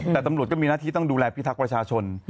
แต่ตำรวจก็มีหน้าที่ต้องดูแลพิทักษ์ประชาชน